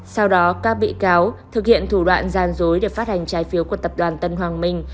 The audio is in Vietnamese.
sau đó các bị cáo thực hiện thủ đoạn gian dối để phát hành trái phiếu của tập đoàn tân hoàng minh